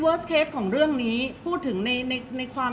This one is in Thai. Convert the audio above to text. เพราะว่าสิ่งเหล่านี้มันเป็นสิ่งที่ไม่มีพยาน